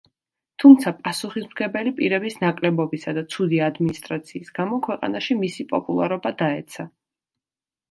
თუმცა, პასუხისმგებელი პირების ნაკლებობისა და ცუდი ადმინისტრაციის გამო ქვეყანაში მისი პოპულარობა დაეცა.